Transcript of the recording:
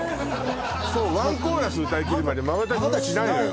そう１コーラス歌いきるまでまばたきしないのよ